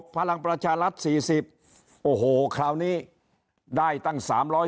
พลังประชารัฐ๔๐โอ้โหคราวนี้ได้ตั้ง๓๕